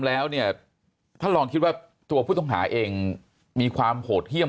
แล้วเนี่ยท่านลองคิดว่าตัวผู้ต้องหาเองมีความโหดเยี่ยม